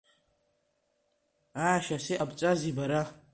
Аашьас иҟабҵазеи, бара?